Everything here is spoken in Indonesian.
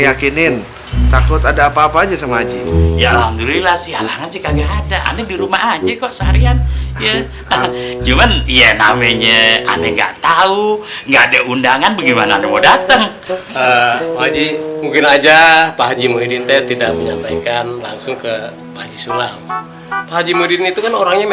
paku paku dicabutin dong